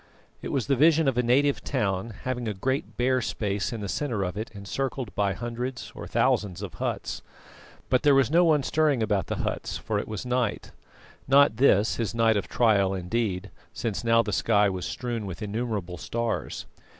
It was the vision of a native town, having a great bare space in the centre of it encircled by hundreds or thousands of huts. But there was no one stirring about the huts, for it was night not this his night of trial indeed, since now the sky was strewn with innumerable stars.